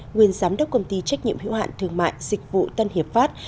nguyên giám đốc công ty trách nhiệm hiệu hạn thương mại dịch vụ tân hiệp pháp